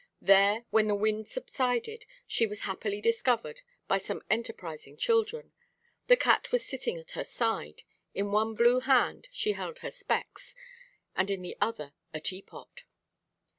There, when the wind subsided, she was happily discovered by some enterprising children; the cat was sitting at her side; in one blue hand she held her specs, and in the other a teapot.